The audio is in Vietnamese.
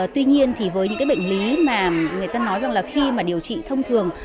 tuy nhiên thì với những cái bệnh lý mà người ta nói rằng là khi mà điều trị thông thường